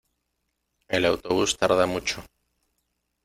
El autobús tarda mucho.